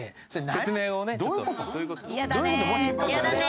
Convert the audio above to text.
説明をね